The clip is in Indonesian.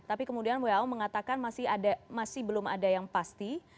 tapi kemudian who mengatakan masih belum ada yang pasti